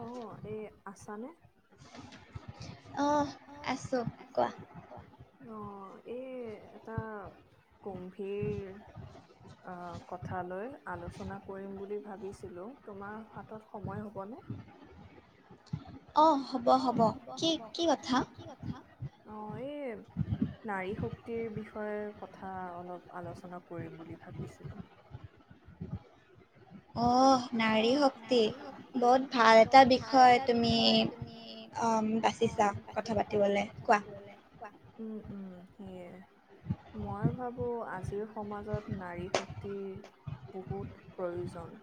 অ এই আছানে। অহ আছোঁ কোৱা। অ এই এটা গম্ভীৰ। অ, কথালৈ আলোচনা কৰিম বুলি ভাবিছিলোঁ তোমাৰ হাতত সময় হ'বনে? অঁ, হ'ব। অ, হ'ব-হ'ব কি, কি কথা? অ', এই। নাৰী শক্তিৰ বিষয়ে কথা অলপ আলোচনা কৰিম বুলি ভাবিছিলোঁ। অঁহ। নাৰী শক্তি বহুত ভাল এটা বিষয় তুমি উম, বাচিছা। বাচিচা কথা পাতিবলে কোৱা। উম- উম সেইয়। মই ভাবোঁ আজিৰ সমাজত নাৰী শক্তিৰ। বহুত প্ৰয়োজন।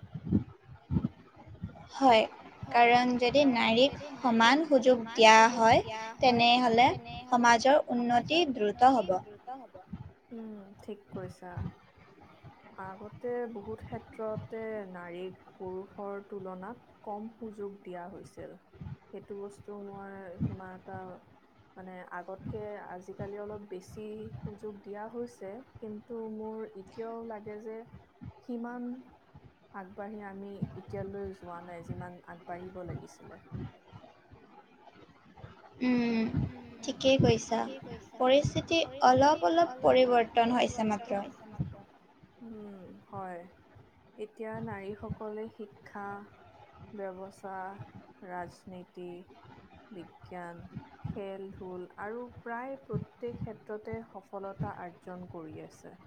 [inaudible] হয়। কাৰণ, যদি নাৰীক সমান সুযোগ দিয়া হয়, তেনেহ'লে সমাজৰ উন্নতি দ্ৰুত হ'ব। হ'ব উম, ঠিক কৈছা। আগতে বহুত ক্ষেত্ৰতে নাৰীক পুৰুষৰ তুলনাত কম সুযোগ দিয়া হৈছিল। সেইটো বস্তু মই সিমান এটা মানে আগতকে আজিকালি অলপ, বেছি সুযোগ দিয়া হৈছে। কিন্তু মোৰ এতিয়াও লাগে যে, কিমান আগবাঢ়ি আমি এতিয়ালৈ যোৱা নাই, যিমান আগবাঢ়িব লাগিছিলে। উম, উম, ঠিকেই কৈছা। পৰিস্থিতি অলপ-অলপ পৰিৱৰ্তন হৈছ ছে মাত্ৰ। উম, হয়। এতিয়া নাৰীসকলে শিক্ষা ব্যৱচা, ৰাজনীতি, বিজ্ঞান খেল-ধূল আৰু প্ৰায় প্ৰত্যেক ক্ষেত্ৰতে সফলতা আৰ্জন কৰি আছে।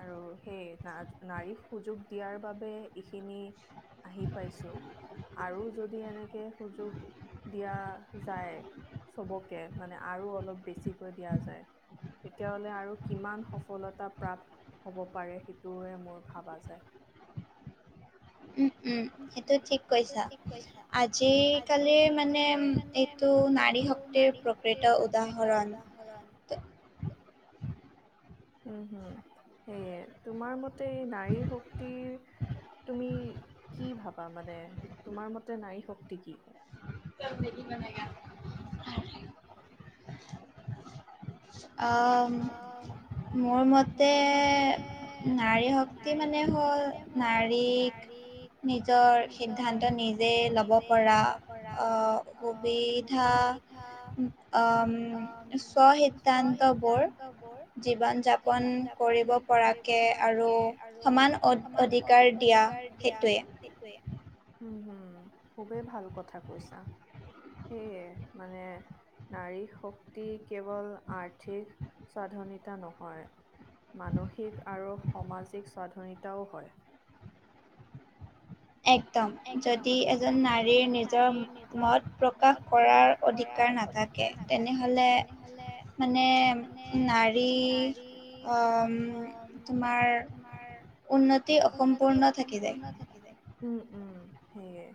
আৰু সেই না, নাৰীক সুযোগ দিয়াৰ বাবে ইখিনি আহি পাইছোঁ। আৰু যদি এনেকে সুযোগ দিয়া যায় চবকে, মানে আৰু অলপ বেছিকৈ দিয়া যায় তেতিয়াাহ'লে আৰু কিমান সফলতা প্ৰাপ হ'ব পাৰে সেইটোৱে মোৰ ভাৱা যায়। উম-উম। উম-উম এইটো ঠিক কৈছা, আজি কালিৰ মানে এইটো নাৰী শক তেই প্ৰকৃত উদাহৰণ। উম, হম, সেয়ে তোমাৰ মতে নাৰী শক্তিৰ তুমি কি ভাবা মানে, তোমাৰ মতে নাৰী শক্তি কি হয়? আঁ অ, মোৰ মতে নাৰী শক্তি মানে হ'ল, নাৰীক নিজৰ সিদ্ধান্ত নিজে ল'ব পৰা অ, সুবিধা অম, স্বসিদ্ধান্ত বোৰ জীৱন যাপন কৰিব পৰাকৈ আৰু সমান অধ, অধিকাৰ সেইটোৱেই। সেইটোয়েই উম, হম, খুবেই ভাল কথা কৈছা। সেয়ে মানে নাৰী শক্তি কেৱল আৰ্থিক স্বাধনিতা নহয়, মানসিক আৰু সামাজিক স্বাধনিতাও হয়। একদম, যদি এজন নাৰীৰ নিজৰ মত প্ৰকাশ কৰাৰ অধিকাৰ নাথাকে তেনেহলে মানে নাৰী- আহ- তোমাৰ উন্নতি উন্নতি অসম্পূৰ্ণ থাকি যায়। উম, উম, সেইয়ে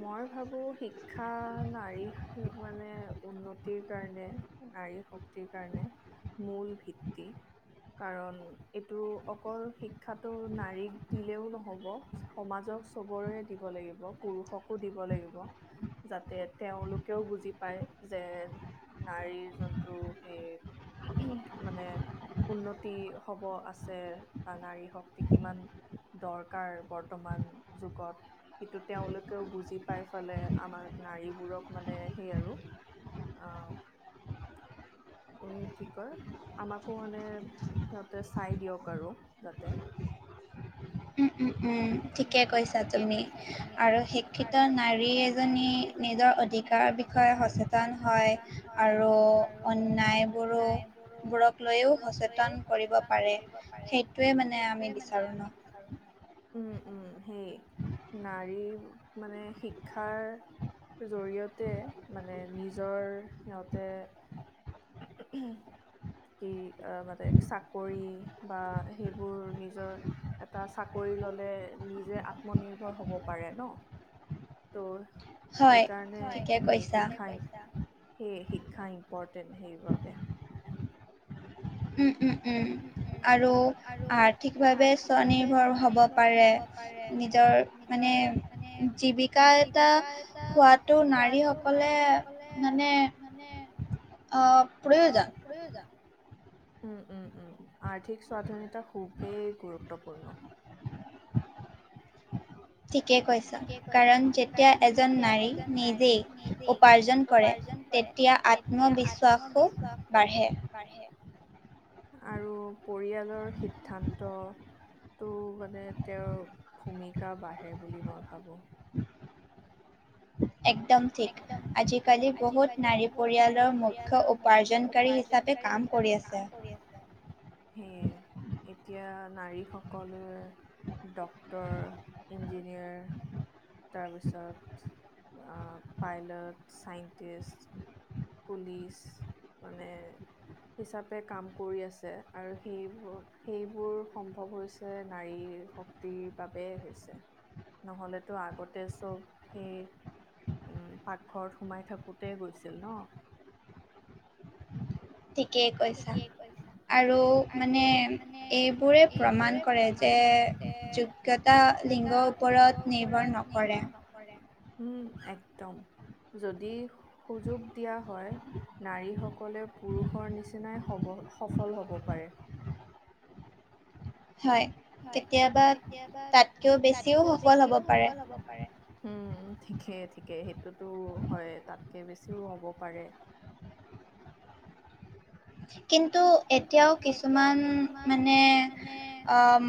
মই ভাবো শিক্ষা নাৰীৰ- মানে উন্নতিৰ কাৰণে নাৰী শক্তিৰ কাৰণে মূল ভিত্তি। কাৰণ, এইটো অকল শিক্ষাটো নাৰীক দিলেও নহ'ব। সমাজক চবৰে দিব লাগিব, পুৰুষকো দিব লাগিব। যাতে তেওঁলোকেও বুজি পায় যে, নাৰীৰ যোনটো সেই, মানে উন্নতি হ'ব আছে। বা নাৰী শক্তি কিমান দৰকাৰ বৰ্তমান যুগত। তেওঁলোকেও বুজি পাই ফালে আমাক নাৰীবোৰক মানে সেই আৰু অ'। [unintelligible] কি কয় আমাকো মানে সিহঁতে চাই দিয়ক আৰু যাতে। উম, উম, উম, ঠিকে কৈছা তুমি আৰু শিক্ষিত নাৰী এজনী নিজৰ অধিকাৰৰ বিষয়ে সচেতন হয়, আৰু অন্যায়বোৰো বোৰক লৈও সচেতন কৰিব পাৰে সেইটোয়ে মানে আমি বিচাৰো ন'। উম, সেই নাৰীৰ মানে শিক্ষাৰ জৰিয়তে মানে নিজৰ সিহঁতে [unintelligible] কি অ' মানে চাকৰি বা সেইবোৰ নিজৰ এটা চাক কৰি ল'লে নিজে আত্ম নিৰ্ভৰ হ'ব পাৰে ন'। ত' সেইকাৰণে সেই শিক্ষাই সেয়ে শিক্ষা ইম্পৰ্টেণ্ট সেইবাবে। উম। উম, উম, আৰু আৰ্থিকভাৱে স্বনিৰ্ভৰ হ'ব পাৰে। নিজৰ মানে, জীৱিকা এটা সোৱাদ ত' নাৰীসকলে মানে, অ' প্ৰয়োজন। প্ৰয়োজন। উম, উম, উম, আৰ্থিক স্বাধীনতা খুবেই গুৰুত্বপূৰ্ণ। ঠিকে কৈছা, কাৰণ যেতিয়া এজন নাৰী নিজেই উপাৰ্জন কৰে তেতিয়া আত্মবিশ্বাসো বাঢ়ে। আৰু পৰিয়ালৰ সিদ্ধান্ত [inaudible] মানে তেওঁৰ ভূমিকা বাঢ়ে বুলি মই ভাবোঁ। একদম ঠিক, আজিকালি বহুত নাৰী পৰিয়ালৰ মুখ্য উপাৰ্জনকাৰী হিচাপে কাম কৰি আছে, সেয়ে এতিয়া নাৰী সকলৰ ডক্তৰ, ইঞ্জিনিয়াৰ তাৰপিছত অ' পাইলট, চাইণ্টিষ্ট পুলিচ মানে হিচাপে কাম কৰি আছে আৰু সেইবোৰ-সেইবোৰ সম্ভৱ হৈছে নাৰীৰ শ শক্তিৰ বাবে হৈছে, নহ'লেতো আগতে চব সেই উম, পাকঘৰত সোমাই থাকোতে গৈছিল ন'। ঠিকেই কৈছা, আৰু মানে এইবোৰে প্ৰমাণ কৰে [inaudible] যোগ্যতা লিংগৰ ওপৰত নিৰ্ভৰ নক [inaudible] হম, একদম। যদি সুযোগ দিয়া হয়, নাৰীসকলে পুৰুষৰ নিচিনাই সব- সফল হ'ব পাৰে। হয়। হয়, কেতিয়াবা তাতকেও বেছিও সফল হ'ব পাৰে। উম, ঠিকেই ঠিকে সেইটোতো হয় তাতকে বেছিও হ'ব পাৰে। [inaudible] কিন্তু এতিয়াও কিছুমান মানে, অম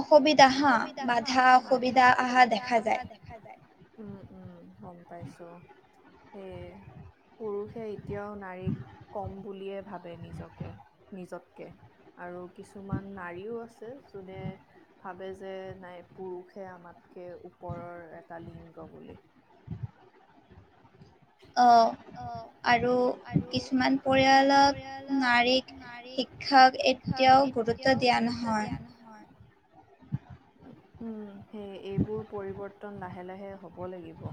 অসুবিধা হা, বাধা অসুবিধা আহা দেখা যায়। দেখা যায় উম উম গম পাইছো সেয়ে পুৰুষে এতিয়াও নাৰীক কম বুলিয়ে ভাবে নিজকে নিজতকে আৰু কিছুমান নাৰীও আছে যোনে ভাবে যে নাই পুৰুষে আমাতকে ওপৰৰ এটা লিংগ বুলি অ আৰু কিছুমান পৰিয়ালত নাৰীক শিক শিক্ষাক এতিয়াও গুৰুত্ব দিয়া নহয় উম সেয়ে এইবোৰ পৰিৱৰ্ত তন লাহে লাহে হ'ব লাগিব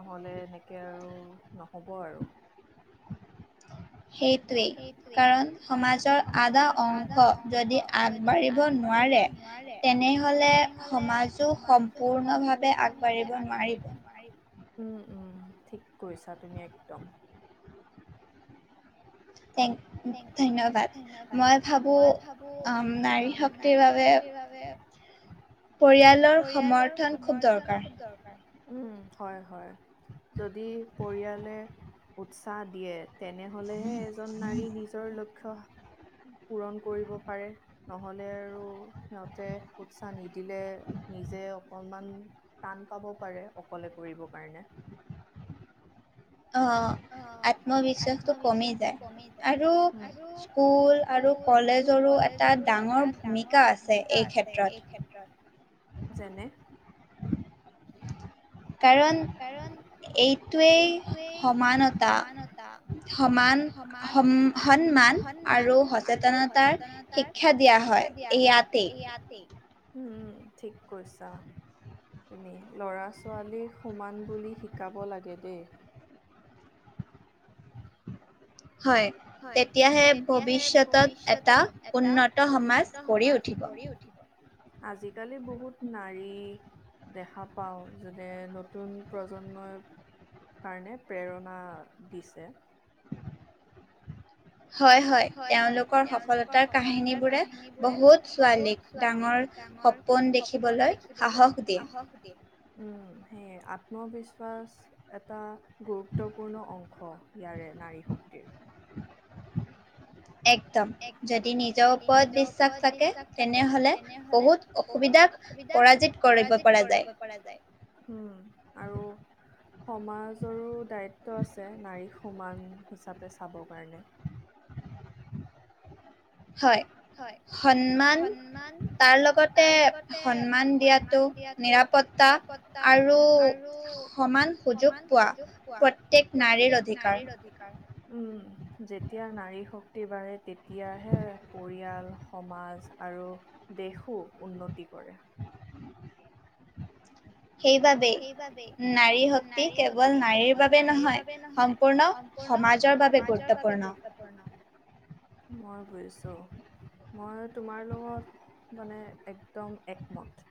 নহ'লে এনেকে আৰু নহ'ব আৰু সেইটোৱেই কাৰণ সমাজৰ আদা অংশ যদি আগবাঢ়িব ন নোৱাৰে তেনেহলে সমাজো সম্পূৰ্ণভাৱে আগবাঢ়িব নোৱাৰি উম উম ঠিক কৈছা তুমি একদম তেং ধন্যবাদ মই ভাবোঁ আ-ম নাৰী শক্তিৰ বাবে বাবে পৰিয়াল পৰিয়ালৰ সমৰ্থন খুব দৰকাৰ উম হয় হয় যদি পৰিয়ালে উৎসাহ দিয়ে তেনেহলেহে এজন নাৰী নিজৰ লক্ষ্য পূৰণ কৰিব পাৰে নহলে আৰু সিহঁতে উৎসাহ নিদিলে নিজে অকনমান টান পাব পাৰে অকলে কৰিবৰ কাৰণে অ অ আত্মবিশ্বাসটো কমি যায় উম আৰু স্কুল আৰু কলেজৰো এটা ডাঙৰ ভূমিকা আছে এই ক্ষেত্ৰত যেনে [unintelligible] কাৰণ কাৰণ এইটোয়েই সমানতা সমান সম সন্মান আৰু সচেতনতাৰ শিক্ষা দিয়া হয় ইয়াতেই হোম ঠিক কৈছা তুমি ল'ৰা ছোৱালীক সুমান বুলি শিকাব লাগে দেই হয় হয় তেতিয়াহে ভৱিষ্যতত এটা উন্নত সমাজ গঢ়ি উঠিব আজিকালি বহুত নাৰী দেখা পাওঁ যোনে নতুন প্ৰজন্মৰ কাৰণে প্ৰেৰণা দিছে হয় হয় তেওঁলোকৰ সফলতাৰ কাহিনীবোৰে বহুত ছোৱালীক ডাঙৰ সপোন দেখিবলৈ সাহস দিয়ে উম সেয়ে আত্মবিশ্বাস এটা গুৰুত্বপূৰ্ণ অং শ ইয়াৰে নাৰী শক্তিৰ একদম যদি নিজৰ ওপৰত বিশ্বাস থাকে তেনেহলে বহুত অসুবিধাত পৰাজিত কৰিব পৰা যায় হুম আৰু সমাজৰো দায়িত্ব আছে নাৰীক সমান হিচাপে চাবৰ কাৰণে। হয়। হয়। সন্মান, তাৰ লগতে সন্মান দিয়াটো নিৰাপত্তা আৰু সমান সুযোগ পোৱা প্ৰত্যেক নাৰীৰ অধিক কাৰ। উম', যেতিয়া নাৰী শক্তি বাঢ়ে, তেতিয়াহে পৰিয়াল, সমাজ আৰু দেশো উন্নতি কৰে। সেইবাবেই নাৰী শক্তি কেৱল নাৰীৰ বাবে নহয় সম্পূৰ্ণ সমাজৰ বাবে গুৰুত্বপূৰ্ণ। মই বুজিছো। মই তোমাৰ লগত মানে একদম একমত।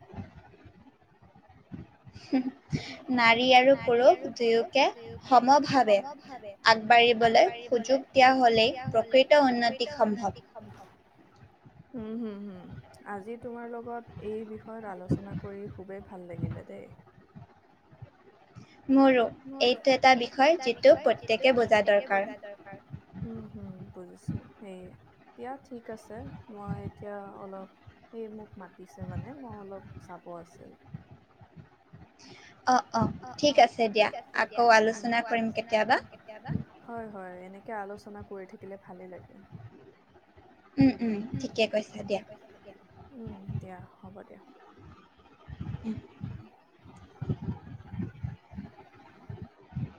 [inaudible] নাৰী আৰু পুৰুষ দুয়োকে সমভাৱে আগবাঢ়িবলৈ সুযোগ তেতিয়া হ'লেই প্ৰকৃত উন্নতি সম্ভৱ। সম্ভৱ। উম, হম, হম। আজি তোমাৰ লগত এই বিষয়ত আলোচনা কৰি খুবেই ভাল লাগিলে দেই। মোৰো, এইটো এটা বিষয় যিটো প্ৰত্যেকে বুজা দৰকাৰ। উম, হুম, বুজিছো সেইয়ে। দিয়া, ঠিক আছে। মই এতিয়া অলপ এই মোক মাতিছে মানে, মই অলপ চাব আছিল। অ, অ। অ, অ, ঠিক আছে দিয়া। আকৌ আলোচনা কৰিম কে কেতিয়াব। হয়, হয়, এনেকে আলোচনা কৰি থাকিলে ভালে লাগে। উম, উম। উম, উম, ঠিকে কৈছা দিয়া। উম, দিয়া, হ'ব দিয়া। [inaudible]